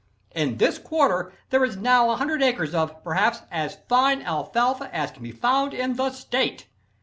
On this quarter there is now 100 acres of, perhaps, as fine alfalfa as can be found in the state.